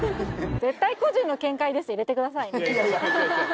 絶対個人の見解ですって入れてください。